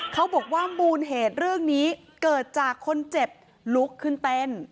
เขาบอกว่ามูลเหตุเรื่องนี้เกิดจากคนเจ็บลุกขึ้นเต้น